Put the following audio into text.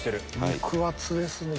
肉厚ですね！